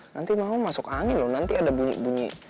nanti mama masuk angin loh nanti ada bunyi bunyi